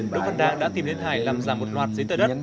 đối với đảng đã tìm đến hải làm giảm một loạt dây tờ